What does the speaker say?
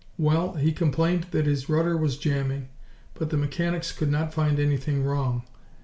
Well, he complained that his rudder was jamming, but the mechanics could not find anything wrong.